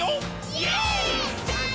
イエーイ！！